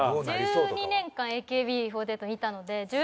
１２年間ＡＫＢ４８にいたので。